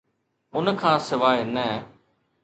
ان کان سواء نه.